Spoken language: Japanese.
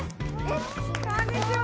こんにちは。